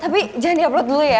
tapi jangan di upload dulu ya